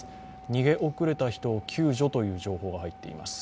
逃げ遅れた人を救助という情報が入っています。